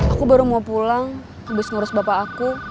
aku baru mau pulang habis ngurus bapak aku